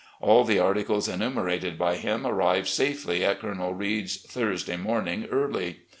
All the articles enumerated by him arrived safely at Colonel Reid's Thursday morning early.